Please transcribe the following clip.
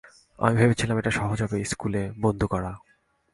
আমি ভেবেছিলাম এটা সহজ হবে স্কুলে বন্ধু করা।